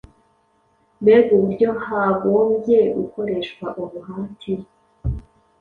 mbega uburyo hagombye gukoreshwa umuhati